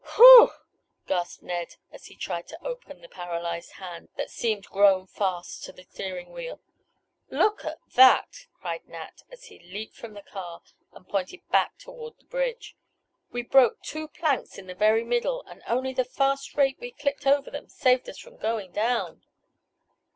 "Whew!" gasped Ned, as he tried to open the paralyzed hands that seemed grown fast to the steering wheel. "Look at that!" cried Nat, as he leaped from the car and pointed back toward the bridge. "We broke two planks in the very middle, and only the fast rate we clipped over them saved us from going down!"